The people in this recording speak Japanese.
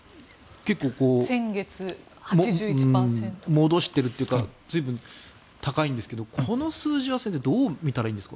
結構戻しているというか随分高いんですけどこの数字は先生どう見たらいいんですか？